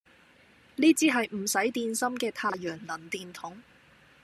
呢支係唔使電芯嘅太陽能電筒